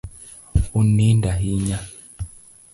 Unindo ahinya